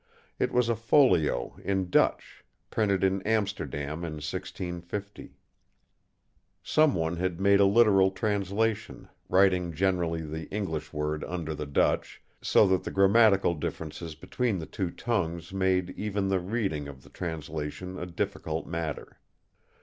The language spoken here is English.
It was a folio in Dutch, printed in Amsterdam in 1650. Some one had made a literal translation, writing generally the English word under the Dutch, so that the grammatical differences between the two tongues made even the reading of the translation a difficult matter.